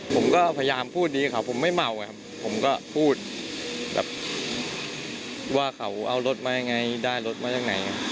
ผมก็พยายามพูดดีครับผมไม่เมาไงครับผมก็พูดแบบว่าเขาเอารถมายังไงได้รถมาจากไหน